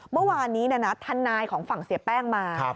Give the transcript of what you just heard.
เมื่อวานนี้ทนายของฝั่งเสียแป้งมา